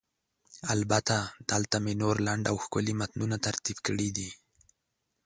البته، دلته مې نور لنډ او ښکلي متنونه ترتیب کړي دي: